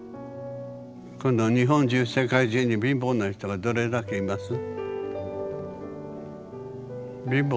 この日本中世界中に貧乏な人がどれだけいます？